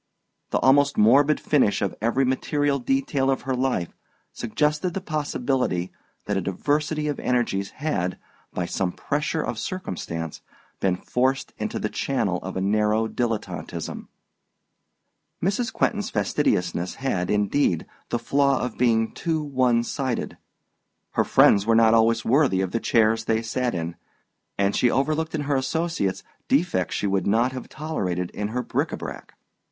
The almost morbid finish of every material detail of her life suggested the possibility that a diversity of energies had, by some pressure of circumstance, been forced into the channel of a narrow dilettanteism. Mrs. Quentin's fastidiousness had, indeed, the flaw of being too one sided. Her friends were not always worthy of the chairs they sat in, and she overlooked in her associates defects she would not have tolerated in her bric a brac.